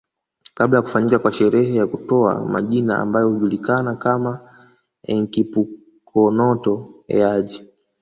Kabla ya kufanyika kwa sherehe ya kutoa majina ambayo hujulikana kama Enkipukonoto Eaji